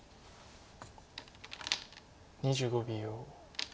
２５秒。